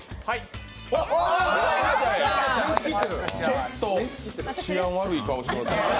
ちょっと治安が悪い顔してます。